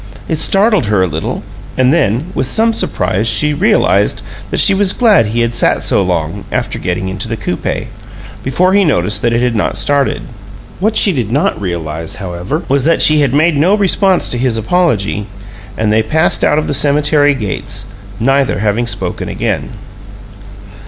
It startled her a little; and then, with some surprise, she realized that she was glad he had sat so long, after getting into the coupe, before he noticed that it had not started. What she did not realize, however, was that she had made no response to his apology, and they passed out of the cemetery gates, neither having spoken again.